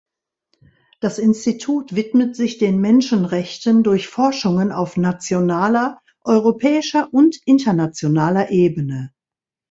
Das Institut widmet sich den Menschenrechten durch Forschungen auf nationaler, europäischer und internationaler Ebene.